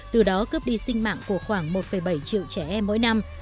từ đó cướp đi sinh mạng của khoảng một bảy triệu trẻ em mỗi năm